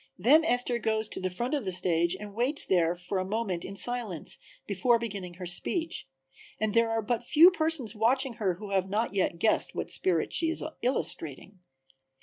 Then Esther goes to the front of the stage and waits there for a moment in silence before beginning her speech, and there are but few persons watching her who have yet guessed what spirit she is illustrating.